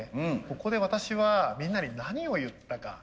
ここで私はみんなに何を言ったか。